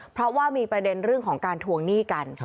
เพราะว่ามีประเด็นเรื่องของการทวงหนี้กัน